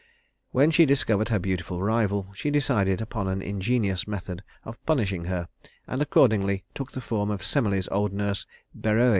When she discovered her beautiful rival, she decided upon an ingenious method of punishing her, and accordingly took the form of Semele's old nurse, Beroë.